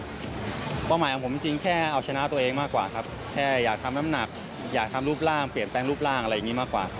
เป้าหมายของผมจริงแค่เอาชนะตัวเองมากกว่าครับแค่อยากทำน้ำหนักอยากทำรูปร่างเปลี่ยนแปลงรูปร่างอะไรอย่างนี้มากกว่าครับ